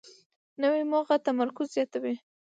نوې موخه تمرکز زیاتوي